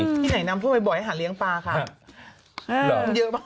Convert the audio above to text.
ที่ไหนน้ำท่วมบ่อยให้หาเลี้ยงปลาค่ะ